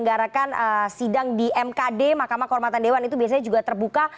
seperti kalau dpr menyelenggarakan sidang di mkd makamah kehormatan dewan itu biasanya juga terbuka